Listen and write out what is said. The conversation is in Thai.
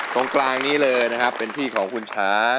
ตรงกลางนี้เลยนะครับเป็นที่ของคุณช้า